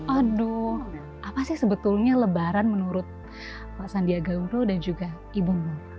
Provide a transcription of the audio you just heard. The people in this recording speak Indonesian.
aduh apa sih sebetulnya lebaran menurut pak sandiaga uno dan juga ibu ibu